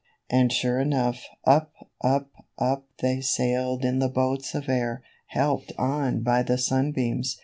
'' And sure enough, up, up, up they sailed in the boats of air, helped on by the sunbeams.